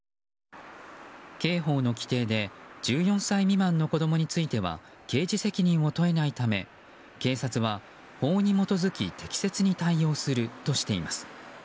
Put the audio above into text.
刑法の規定で１４歳未満の子供については刑事責任を問えないため、警察は法に基づき適切に対応するとしています。